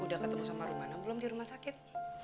udah ketemu sama rumana belum di rumah sakit